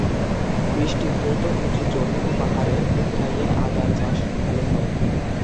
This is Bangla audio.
বৃষ্টিধৌত উঁচু জমি ও পাহাড়ের উতরাইয়ে আদার চাষ ভাল হয়।